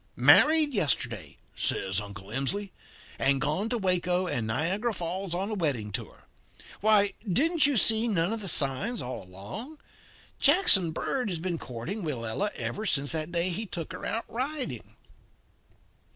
"'Married yesterday,' says Uncle Emsley, 'and gone to Waco and Niagara Falls on a wedding tour. Why, didn't you see none of the signs all along? Jackson Bird has been courting Willella ever since that day he took her out riding.'